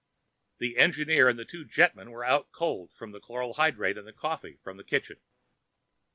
The Engineer and the two jetmen were out cold from the chloral hydrate in the coffee from the kitchen.